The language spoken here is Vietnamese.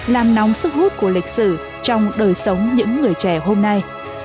làm nóng sức hút của lịch sử trong đời sống những người trẻ hôm nay